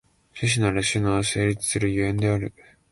種々なる種の成立する所以である。